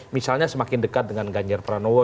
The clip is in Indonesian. misalnya semakin dekat dengan ganjar pranowo